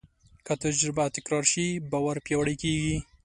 که تجربه تکرار شي، باور پیاوړی کېږي.